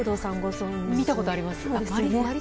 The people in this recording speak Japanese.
見たことありますね。